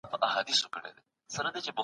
طبيعي علوم زموږ ژوند اسانه کوي.